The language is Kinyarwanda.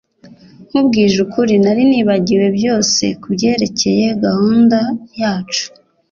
Nkubwije ukuri nari nibagiwe byose kubyerekeye gahunda yacu